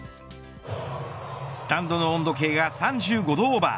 スタンドの温度計が３５度オーバー。